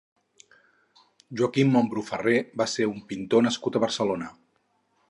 Joaquim Mombrú Ferrer va ser un pintor nascut a Barcelona.